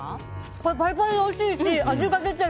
これ、パリパリでおいしいし味が出てる！